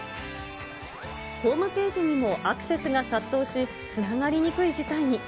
ホームページにもアクセスが殺到し、つながりにくい事態に。